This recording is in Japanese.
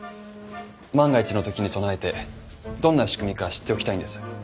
万が一の時に備えてどんな仕組みか知っておきたいんです。